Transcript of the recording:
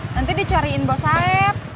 nanti dicariin buah saeb